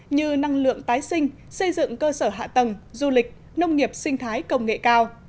như năng lượng tái sinh xây dựng cơ sở hạ tầng du lịch nông nghiệp sinh thái công nghệ cao